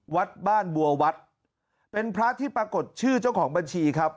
วัดบ้านบัววัดเป็นพระที่ปรากฏชื่อเจ้าของบัญชีครับ